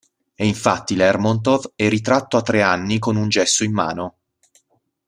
E infatti Lermontov è ritratto a tre anni con un gesso in mano.